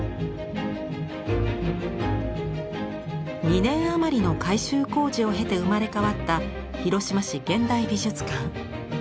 ２年余りの改修工事を経て生まれ変わった広島市現代美術館。